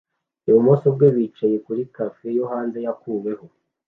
ibumoso bwe bicaye kuri cafe yo hanze yakuweho